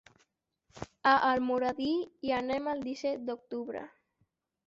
A Almoradí hi anem el disset d'octubre.